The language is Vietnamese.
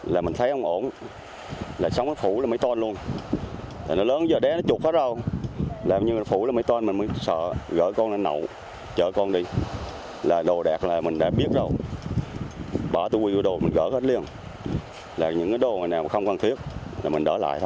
làm như phủ là mấy tuần mình mới sợ gỡ con lên nậu chở con đi là đồ đẹp là mình đã biết rồi bỏ từ quỳ của đồ mình gỡ hết liền là những cái đồ này không cần thiết là mình đỡ lại thôi